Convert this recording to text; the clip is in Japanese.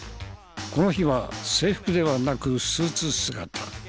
この日は制服ではなくスーツ姿。